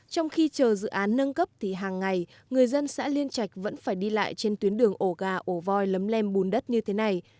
trong khi chờ dự án nâng cấp thì hàng ngày người dân xã liên trạch vẫn phải đi lại trên tuyến đường ổ gà ổ voi lấm lem bùn đất như thế này